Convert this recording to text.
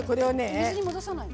水に戻さないの？